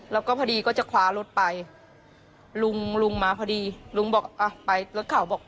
แล้วก็พอดีก็จะคว้ารถไปลุงมาพอดีลุงบอกไปแล้วเขาบอกมา